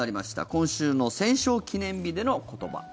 今週の戦勝記念日での言葉。